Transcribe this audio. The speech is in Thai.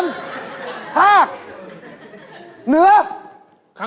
จับข้าว